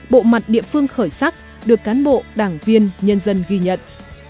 bộ mặt địa phương khởi sắc được cán bộ đảng viên nhân dân ghi nhận